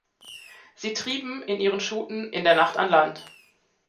Sie trieben in ihren Schuten in der Nacht an Land.